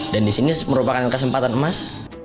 dan di sini merupakan kesempatan emas